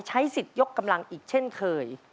ใช้สิทธิ์ยกกำลังอีกเช่นเคย